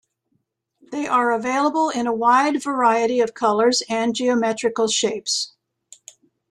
They are available in a wide variety of colors and geometrical shapes.